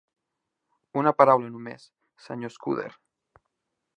Una paraula només, Sr. Scudder.